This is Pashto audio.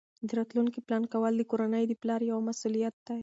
د راتلونکي پلان کول د کورنۍ د پلار یوه مسؤلیت ده.